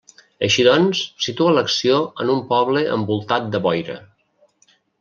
Així doncs, situa l'acció en un poble envoltat de boira.